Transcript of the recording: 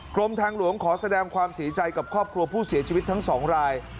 กรมทางหลวงขอแสดงความเสียใจกับครอบครัวผู้เสียชีวิตทั้งสองราย